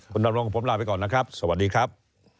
คุณดำรงผมลาไปก่อนนะครับสวัสดีครับ